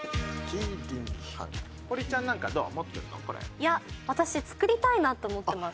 いや私作りたいなと思ってます。